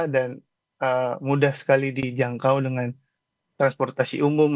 dan mudah sekali dijangkau dengan transportasi umum